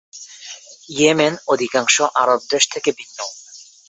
Yemen অধিকাংশ আরব দেশ থেকে ভিন্ন।